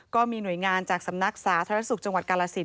ก็มีหน่วยงานจากสำนักสาธารณสุขจังหวัดกาลสิน